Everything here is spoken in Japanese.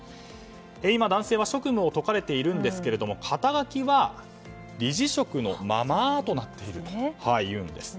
今、男性は、職務を解かれているんですけれども肩書は理事職のままとなっているんです。